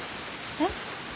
えっ？